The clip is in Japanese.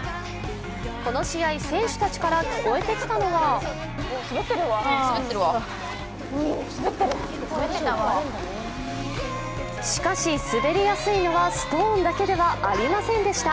この試合、選手たちから聞こえてきたのはしかし滑りやすいのはストーンだけではありませんでした。